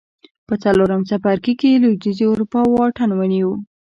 په څلورم څپرکي کې لوېدیځې اروپا واټن ونیو